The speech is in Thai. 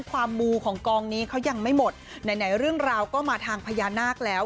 มูของกองนี้เขายังไม่หมดไหนไหนเรื่องราวก็มาทางพญานาคแล้ว